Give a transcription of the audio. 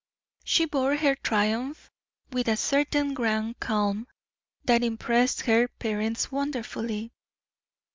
She bore her triumph with a certain grand calm that impressed her parents wonderfully.